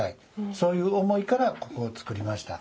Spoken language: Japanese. そういう思いからここを作りました。